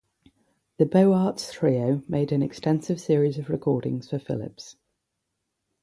The Beaux Arts Trio made an extensive series of recordings for Philips.